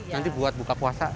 nanti buat buka puasa